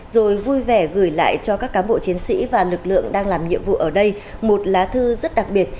rồi vui vẻ gửi lại cho các cán bộ chiến sĩ và lực lượng đang làm nhiệm vụ ở đây một lá thư rất đặc biệt